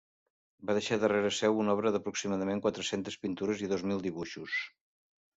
Va deixar darrere seu una obra d'aproximadament quatre-centes pintures i dos mil dibuixos.